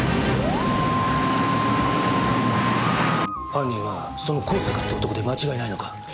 犯人はその香坂って男で間違いないのか？